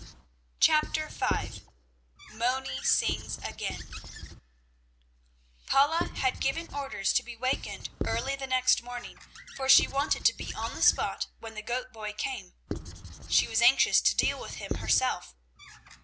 CHAPTER V MONI SINGS AGAIN Paula had given orders to be wakened early the next morning, for she wanted to be on the spot when the goat boy came. She was anxious to deal with him herself.